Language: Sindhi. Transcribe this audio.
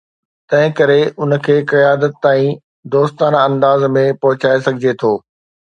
تنهن ڪري ان کي قيادت تائين دوستانه انداز ۾ پهچائي سگهجي ٿو.